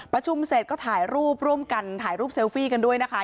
ประชุมเสร็จก็ถ่ายรูปร่วมกันถ่ายรูปเซลฟี่กันด้วยนะคะ